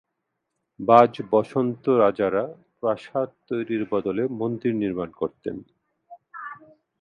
বাজ বসন্ত রাজারা প্রাসাদ তৈরীর বদলে মন্দির নির্মান করতেন।